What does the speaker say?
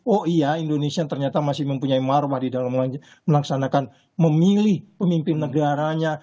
oh iya indonesia ternyata masih mempunyai marwah di dalam melaksanakan memilih pemimpin negaranya